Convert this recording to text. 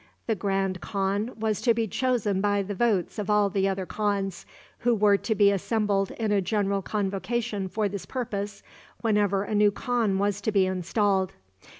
The grand khan was to be chosen by the votes of all the other khans, who were to be assembled in a general convocation for this purpose whenever a new khan was to be installed.